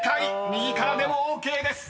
右からでもＯＫです］